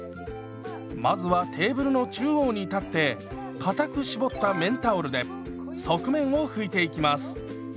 まずはテーブルの中央に立ってかたく絞った綿タオルで側面を拭いていきます。